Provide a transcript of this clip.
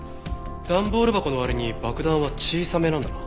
段ボール箱の割に爆弾は小さめなんだな。